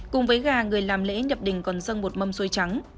cùng với gà người làm lễ nhập đình còn dân một mâm xôi trắng